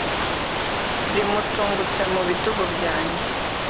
Rimutungutse mu bitugu byanjye